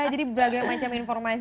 jadi berbagai macam informasi